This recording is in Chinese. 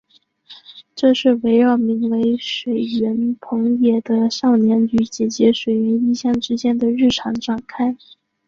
这是围绕名为水原朋也的少年与姐姐水原一香之间的日常展开。